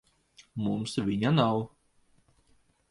Mums viņa nav.